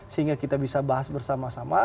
sehingga kita bisa bahas bersama sama